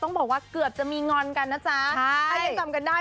บอกว่าเกือบจะมีงอนกันนะจ๊ะถ้ายังจำกันได้